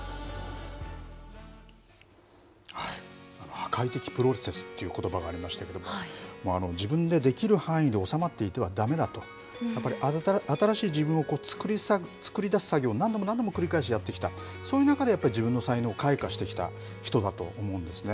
破壊的プロセスということばがありましたけど、自分でできる範囲で収まっていてはだめだと、やっぱり新しい自分を作り出す作業を、何度も何度も繰り返しやってきた、そういう中でやっぱり自分の才能を開花してきた人だと思うんですね。